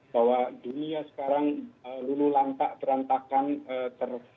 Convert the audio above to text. bahwa dunia sekarang lulu langka terantakan ter